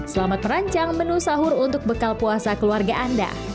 selamat merancang menu sahur untuk bekal puasa keluarga anda